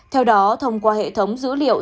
theo đó thông qua hệ thống dữ liệu